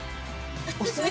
おすすめ？